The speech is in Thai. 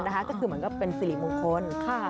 ก็คือเหมือนกับเป็นสิริมงคล